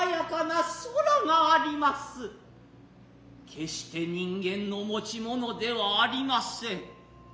決して人間の持ちものではありません。